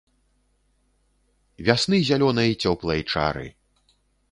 Вясны зялёнай цёплай чары!